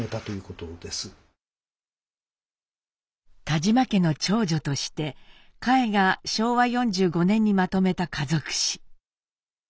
田嶋家の長女として佳惠が昭和４５年にまとめた家族史。